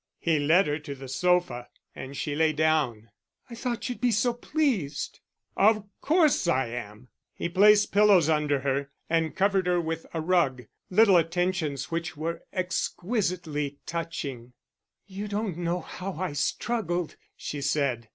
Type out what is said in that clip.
He led her to the sofa, and she lay down. "I thought you'd be so pleased." "Of course I am!" He placed pillows under her, and covered her with a rug little attentions which were exquisitely touching. "You don't know how I struggled," she said.